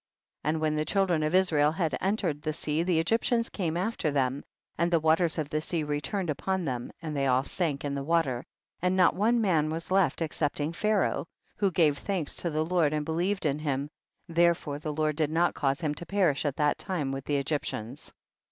40. And when the children of Israel had entered the sea, the Egyptians came after them, and the waters of the sea returned upon them, and they all sank in the water, and not one man was left excepting Pharoah, who gave thanks to the Lord and believed in him, therefore the Lord did not cause him to perish at that time with the Egyp tians.